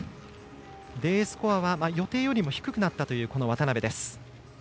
Ｄスコアは予定よりも低くなったという渡部です。